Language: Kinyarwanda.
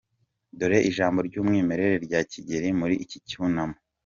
Dore ijambo ry’umwimerere rya Kigeli muri iki cyunamo